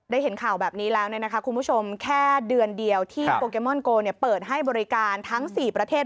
เห็นข่าวแบบนี้แล้วคุณผู้ชมแค่เดือนเดียวที่โปเกมอนโกเปิดให้บริการทั้ง๔ประเทศ